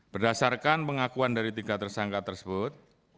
berdasarkan pengakuan dari tiga tersangka tersebut